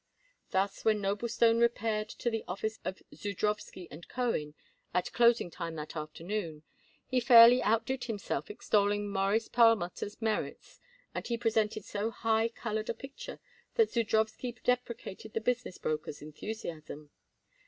Thus when Noblestone repaired to the office of Zudrowsky & Cohen at closing time that afternoon, he fairly outdid himself extolling Morris Perlmutter's merits, and he presented so high colored a picture that Zudrowsky deprecated the business broker's enthusiasm.